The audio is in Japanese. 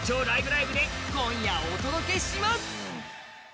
ライブ！」で今夜お届けします。